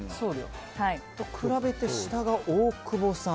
と比べて、下が大久保さん。